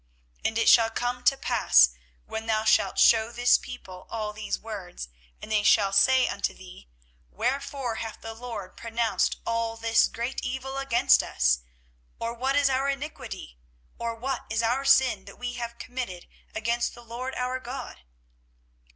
24:016:010 And it shall come to pass, when thou shalt shew this people all these words, and they shall say unto thee, Wherefore hath the LORD pronounced all this great evil against us? or what is our iniquity? or what is our sin that we have committed against the LORD our God?